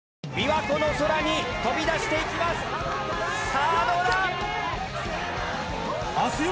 さあどうだ！